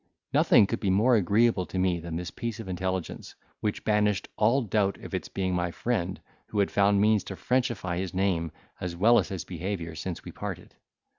Nothing could be more agreeable to me than this piece of intelligence, which banished all doubt of its being my friend, who had found means to frenchify his name as well as his behaviour since we parted.